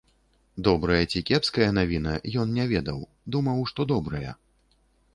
Добрая ці кепская навіна, ён не ведаў, думаў, што добрая.